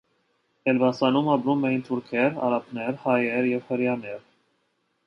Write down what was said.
Էլբասանում ապրում էին թուրքեր, արաբներ, հայեր և հրեաներ։